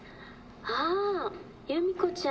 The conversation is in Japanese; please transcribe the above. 「ああ由美子ちゃん」